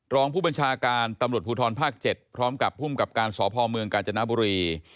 โรงผู้บัญชาการตำรวจภูทรภาค๗พร้อมกับพการสภเมืองกาจณะบุรี